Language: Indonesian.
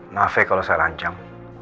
maaf kalau saya rancang